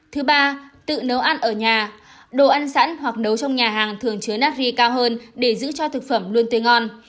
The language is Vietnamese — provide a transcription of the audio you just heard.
thứ ba tự nấu ăn ở nhà đồ ăn sẵn hoặc nấu trong nhà hàng thường chứa netri cao hơn để giữ cho thực phẩm luôn tươi ngon